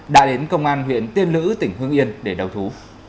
đã đến công an huyện tiên lữ tỉnh hương yên để đầu thú